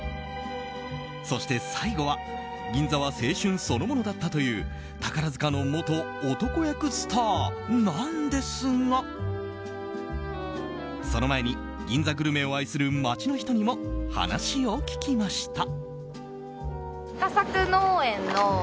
そして、最後は銀座は青春そのものだったという宝塚の元男役スターなんですがその前に銀座グルメを愛する街の人にも話を聞きました。